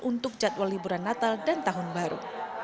untuk jadwal liburan natal dan tahun baru